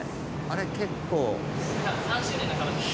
あれ結構。